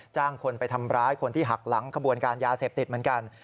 จ้างคนไปทำร้ายคนที่หักหลังขบวนการยาเสพติดเหมือนกัน